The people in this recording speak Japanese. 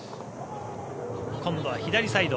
今度は左サイド。